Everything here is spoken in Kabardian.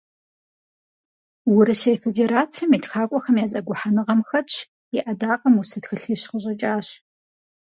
Урысей Федерацэм и ТхакӀуэхэм я зэгухьэныгъэм хэтщ, и Ӏэдакъэм усэ тхылъищ къыщӀэкӀащ.